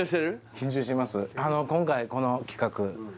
緊張します